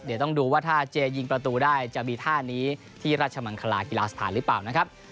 เดี๋ยวต้องดูว่าถ้าเจยิงประตูได้จะมีท่านี้ที่ราชมังคลากีฬาสถานหรือเปล่านะครับ